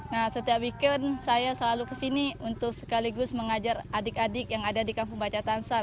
nah setiap weekend saya selalu kesini untuk sekaligus mengajar adik adik yang ada di kampung baca tansa